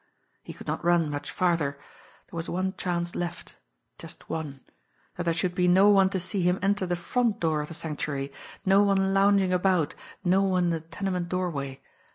He could not run much farther. There was one chance left just one that there should be no one to see him enter the front door of the Sanctuary, no one lounging about, no one in the tenement doorway.